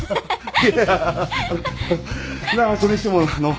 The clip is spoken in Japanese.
いやそれにしてもあの。